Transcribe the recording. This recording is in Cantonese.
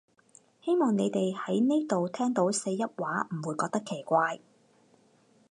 希望你哋喺呢度聽到四邑話唔會覺得奇怪